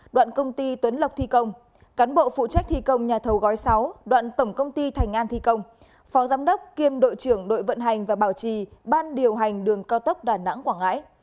đoạn công ty tuấn lộc thi công cán bộ phụ trách thi công nhà thầu gói sáu đoạn tổng công ty thành an thi công phó giám đốc kiêm đội trưởng đội vận hành và bảo trì ban điều hành đường cao tốc đà nẵng quảng ngãi